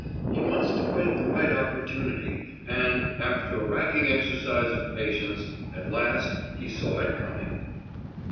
He must await the right opportunity, and, after a racking exercise of patience, at last he saw it coming.